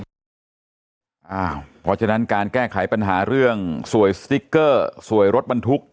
เพราะฉะนั้นการแก้ไขปัญหาเรื่องสวยสติ๊กเกอร์สวยรถบรรทุก